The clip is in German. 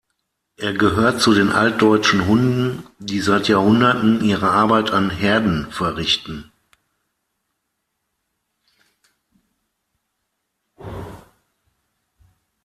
Er gehört zu den altdeutschen Hunden, die seit Jahrhunderten ihre Arbeit an Herden verrichten.